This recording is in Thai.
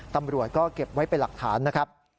ตำรวจก็เก็บไว้เป็นหลักฐานนะครับ